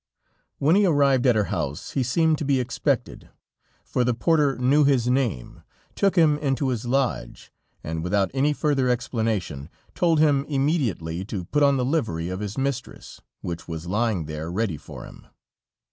When he arrived at her house, he seemed to be expected, for the porter knew his name, took him into his lodge, and without any further explanation, told him immediately to put on the livery of his mistress, which was lying there ready for him.